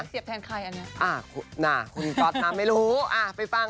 เสพแทนใครอันนั้น